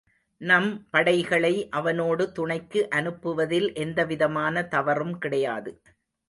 நம் படைகளை அவனோடு துணைக்கு அனுப்புவதில் எந்தவிதமான தவறும் கிடையாது.